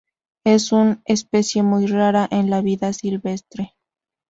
Es un especie muy rara en la vida silvestre.